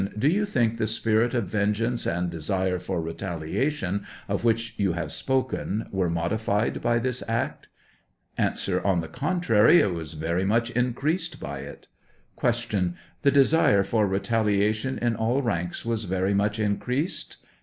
Do you think the spirit of vengeance and desire for retaliation of which you' have spoken were modified by this act ? A. On the contrary, it was very much increased by it. Q. The desire for retaliation in all ranks was very much increased